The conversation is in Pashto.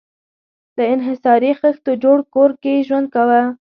له انحصاري خښتو جوړ کور کې ژوند کاوه.